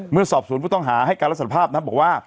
เมื่อสอบศูนย์ผู้ต้องหาให้การรับสรรพาพนะครับบอกว่า